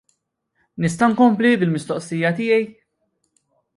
Nista' inkompli bil-mistoqsijiet tiegħi?